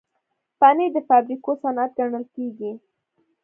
پنېر د فابریکو صنعت ګڼل کېږي.